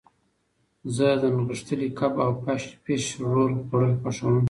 زه د نغښتلي کب او فش رول خوړل خوښوم.